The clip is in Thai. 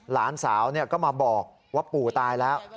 หลานสาวก็มาบอกว่าปู่ตายแล้ว